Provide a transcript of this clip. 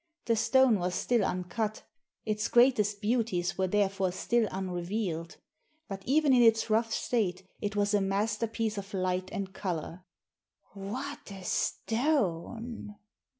The stone was still uncut Its greatest beauties were therefore still unrevealeA But even in its rough state it was a masterpiece of light and colour. "What a stone!"